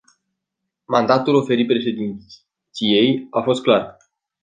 Mandatul oferit președinției a fost clar.